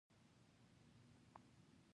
که پیسې نه وي خواړه هم نشته .